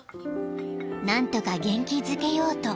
［何とか元気づけようと］